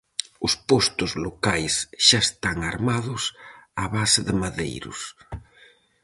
Os postos locais xa están armados a base de madeiros.